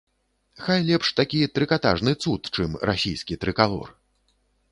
Хай лепш такі трыкатажны цуд, чым расійскі трыкалор.